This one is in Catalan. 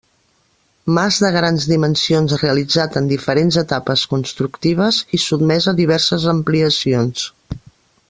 Mas de grans dimensions realitzat en diferents etapes constructives i sotmès a diverses ampliacions.